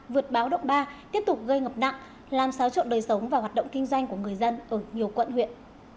vượt báo động ba tiếp tục gây ngập nặng làm xáo trộn đời sống và hoạt động kinh doanh của người dân ở nhiều quận huyện